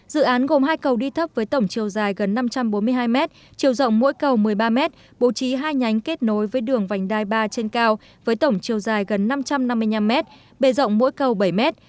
dự án gồm hai cầu đi thấp với tổng chiều dài gần năm trăm bốn mươi hai mét chiều rộng mỗi cầu một mươi ba mét bố trí hai nhánh kết nối với đường vành đai ba trên cao với tổng chiều dài gần năm trăm năm mươi năm mét bề rộng mỗi cầu bảy mét